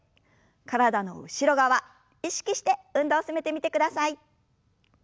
体の後ろ側意識して運動を進めてみてください。